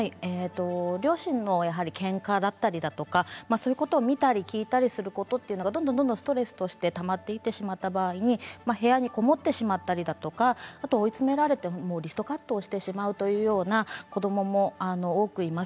両親のけんかを見たり聞いたりすることがどんどんストレスとしてたまっていってしまった場合部屋に籠もってしまったり追い詰められてリストカットをしてしまうという子どもも多くいます。